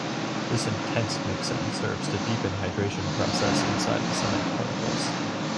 This intense mixing serves to deepen hydration process inside the cement particles.